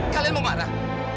kalian mau marah